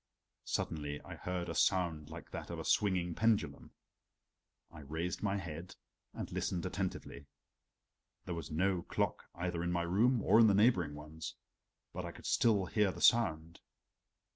Suddenly I heard a sound like that of a swinging pendulum. I raised my head and listened attentively. There was no clock either in my room or in the neighboring ones but I could still hear the sound.